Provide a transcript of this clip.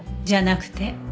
じゃなくて。